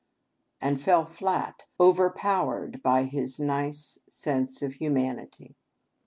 and fell flat — overpowered by his nice sense of humanity.